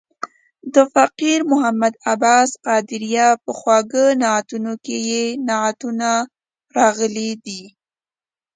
د فقیر محمد عباس قادریه په خواږه نعتونه کې یې نعتونه راغلي دي.